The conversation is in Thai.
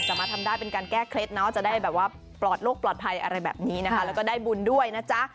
สามารถทำได้เป็นการแก้เคล็ดเนาะจะได้แบบว่าปลอดโลกปลอดภัยอะไรแบบนี้นะคะแล้วก็ได้บุญด้วยนะจ๊ะ